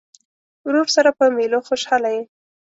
ورور سره په مېلو خوشحاله یې.